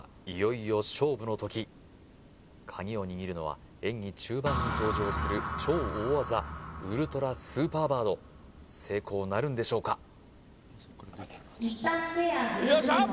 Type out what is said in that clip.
いよいよ勝負の時鍵を握るのは演技中盤に登場する超大技ウルトラスーパーバード成功なるんでしょうか？